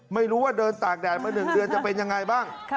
ไม่รู้ว่าเดินตากแดดมา๑เดือนจะเป็นยังไงบ้าง